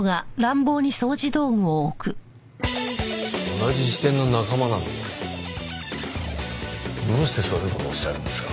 同じ支店の仲間なのにどうしてそういう事をおっしゃるんですか？